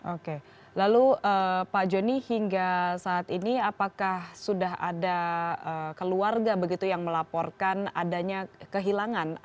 oke lalu pak joni hingga saat ini apakah sudah ada keluarga begitu yang melaporkan adanya kehilangan